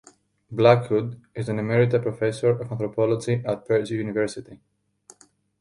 Blackwood is an emerita professor of anthropology at Purdue University.